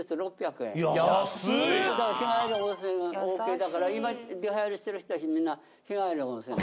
日帰り温泉がＯＫだから今出はいりしてる人たちみんな日帰り温泉。